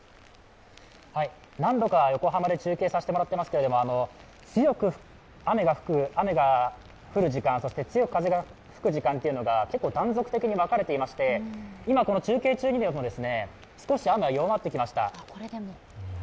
何度か横浜で中継させてもらってますけど強く雨が降る時間、そして強く風が吹く時間が結構、断続的に分かれていまして、今、中継中にも少し雨が弱まってきました。